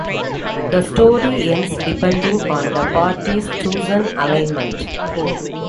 The story ends depending on the party's chosen alignment.